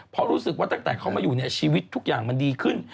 เพราะรู้สึกว่าตั้งแต่เขามาอยู่เนี่ยชีวิตทุกอย่างมันดีขึ้น